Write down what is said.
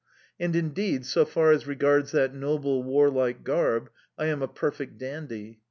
And, indeed, so far as regards that noble, warlike garb, I am a perfect dandy.